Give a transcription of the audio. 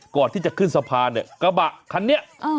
ก่อนที่จะขึ้นสะพานเนี่ยกระบะคันนี้